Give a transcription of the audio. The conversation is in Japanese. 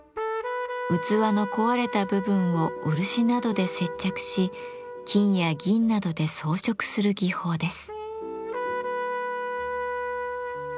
器の壊れた部分を漆などで接着し金や銀などで装飾する技法です。